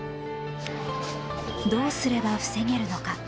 どうすれば防げるのか。